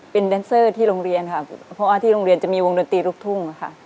เป็นแดนเซอร์ที่โรงเรียนค่ะเพราะว่าที่โรงเรียนจะมีวงดนตรีลูกทุ่งค่ะ